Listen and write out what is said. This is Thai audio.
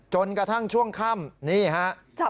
จนกระทั่งช่วงค่ำนี่ฮะ